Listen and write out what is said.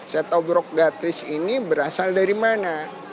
setobok gratis ini berasal dari mana